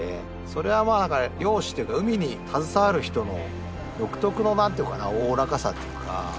それは漁師っていうか海に携わる人の独特の何ていうかなおおらかさっていうか。